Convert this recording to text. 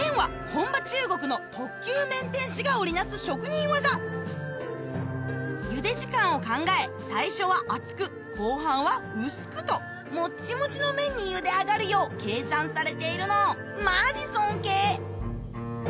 麺は本場ゆで時間を考え最初は厚く後半は薄くともっちもちの麺にゆで上がるよう計算されているのマジ尊敬！